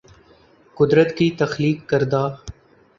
قدرت کی تخلیق کردہ